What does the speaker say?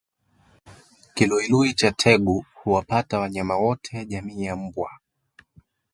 Kiluilui cha tegu huwapata wanyama wote jamii ya mbwa